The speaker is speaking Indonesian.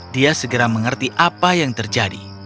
dia segera mengerti apa yang terjadi